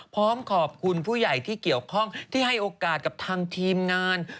พร้อมขอบคุณผู้ใหญ่ที่เกี่ยวข้องที่ให้โอกาสกับทางทีมงาน